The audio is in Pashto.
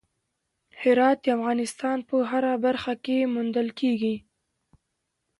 هرات د افغانستان په هره برخه کې موندل کېږي.